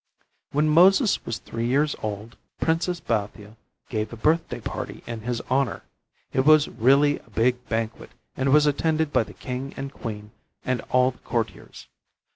When Moses was three years old, Princess Bathia gave a birthday party in his honor. It was really a big banquet and was attended by the king and queen and all the courtiers.